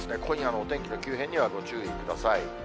お天気の急変にはご注意ください。